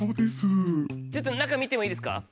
ちょっと中見てもいいですか？